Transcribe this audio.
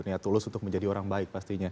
niat tulus untuk menjadi orang baik pastinya